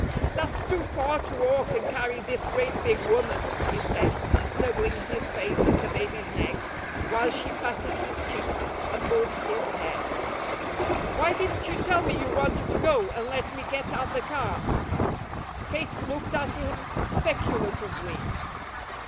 "That's too far to walk and carry this great big woman," he said, snuggling his face in the baby's neck, while she patted his cheeks and pulled his hair. "Why didn't you tell me you wanted to go, and let me get out the car?" Kate looked at him speculatively.